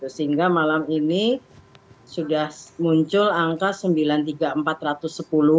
sehingga malam ini sudah muncul angka sembilan puluh tiga empat ratus sepuluh